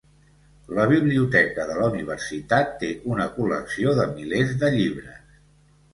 La biblioteca de la universitat té una col·lecció de milers de llibres.